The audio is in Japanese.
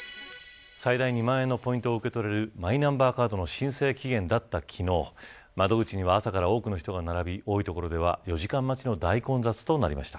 最大２万円のマイナポイントを受け取れるマイナンバーカードの申請期限だった昨日窓口には多くの人が並び多くのところでは４時間待ちの大混雑となりました。